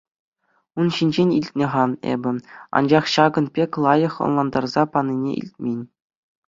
Ун ҫинчен илтнӗ-ха эпӗ Анчах ҫакӑн пек лайӑх ӑнлантарса панине илтмен.